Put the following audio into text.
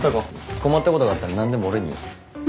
困ったことがあったら何でも俺に言え。